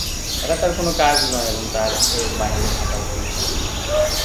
এটা তার কোন কাজ নয় এবং তার এর বাইরে থাকা উচিত ছিল।